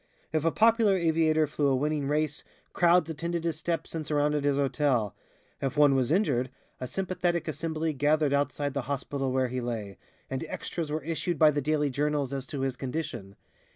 If a popular aviator flew a winning race, crowds attended his steps and surrounded his hotel. If one was injured, a sympathetic assembly gathered outside the hospital where he lay, and extras were issued by the daily journals as to his condition.